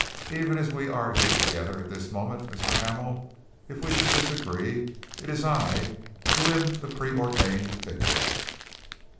Even as we are here together at this moment, Mr. Hamel, if we should disagree, it is I who am the preordained victor."